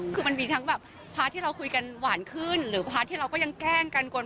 คุณมีทั้งแบบพาทที่เราคุยกันหวานขึ้นหรือพาทที่เราก็ยังแก้งกันกวนประเสป